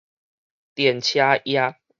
電車驛